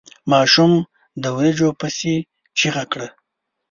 ماشوم د وريجو پسې چيغه کړه.